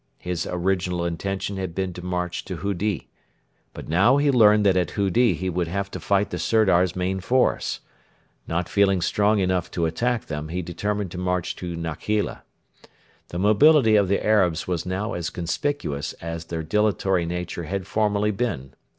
His original intention had been to march to Hudi. But he now learned that at Hudi he would have to fight the Sirdar's main force. Not feeling strong enough to attack them, he determined to march to Nakheila. The mobility of the Arabs was now as conspicuous as their dilatory nature had formerly been.